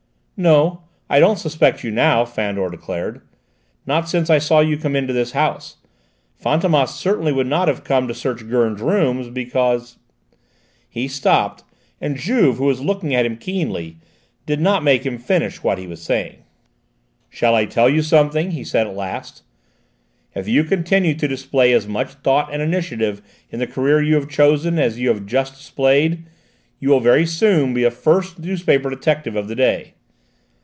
"No, I don't suspect you now," Fandor declared; "not since I saw you come into this house; Fantômas certainly would not have come to search Gurn's rooms because " He stopped, and Juve, who was looking at him keenly, did not make him finish what he was saying. "Shall I tell you something?" he said at last. "If you continue to display as much thought and initiative in the career you have chosen as you have just displayed, you will very soon be the first newspaper detective of the day!"